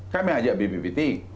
kami ajak bbbt